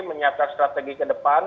menyiapkan strategi ke depan